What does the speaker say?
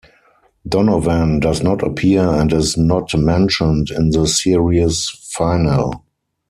Donovan does not appear and is not mentioned in the series finale.